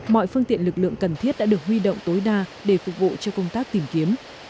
mọi phương tiện lực lượng cần thiết đã được huy động tối đa để phục vụ cho công tác tìm kiếm